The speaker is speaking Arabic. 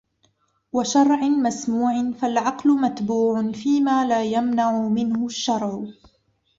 وَشَرْعٍ مَسْمُوعٍ فَالْعَقْلُ مَتْبُوعٌ فِيمَا لَا يَمْنَعُ مِنْهُ الشَّرْعُ